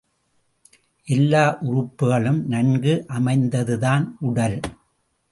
எல்லா உறுப்புக்களும் நன்கு அமைந்ததுதான் உடல்.